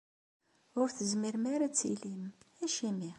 Ur tezmirem ara ad tilim? Acimi?